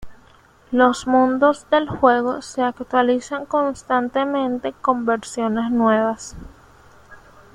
Los mundos del juego se actualizan constantemente con versiones nuevas.